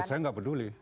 oh saya gak peduli